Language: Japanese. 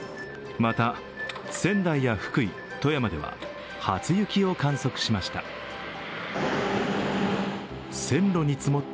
また、仙台や福井、富山では初雪を観測しました。